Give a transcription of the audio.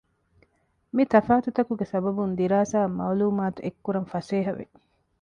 މިތަފާތު ތަކުގެ ސަބަބުން ދިރާސާ އަށް މައުލޫމާތު އެއެްކުރަން ފަސޭހަވި